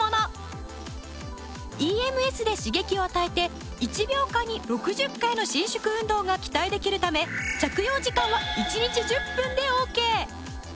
ＥＭＳで刺激を与えて１秒間に６０回の伸縮運動が期待できるため着用時間は１日１０分でオーケー！